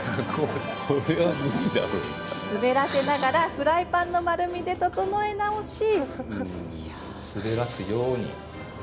滑らせながらフライパンの丸みで整え直し。